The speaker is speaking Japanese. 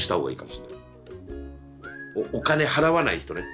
お金払わない人ね。